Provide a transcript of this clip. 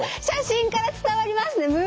写真から伝わりますね